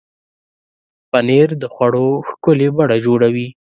پنېر د خوړو ښکلې بڼه جوړوي.